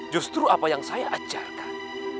justru apa yang saya ajarkan